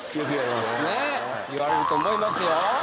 ねえ言われると思いますよ